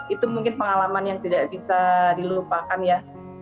itu mungkin pengalaman yang tidak bisa dilupakan ya